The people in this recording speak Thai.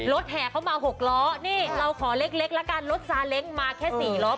แห่เข้ามา๖ล้อนี่เราขอเล็กละกันรถซาเล้งมาแค่๔ล้อ